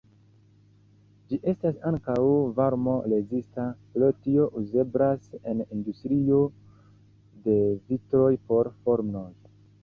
Ĝi estas ankaŭ varmo-rezista, pro tio uzeblas en industrio de vitroj por fornoj.